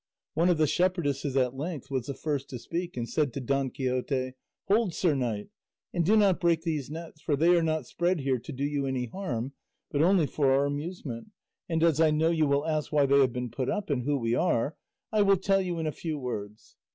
One of the shepherdesses, at length, was the first to speak and said to Don Quixote, "Hold, sir knight, and do not break these nets; for they are not spread here to do you any harm, but only for our amusement; and as I know you will ask why they have been put up, and who we are, I will tell you in a few words.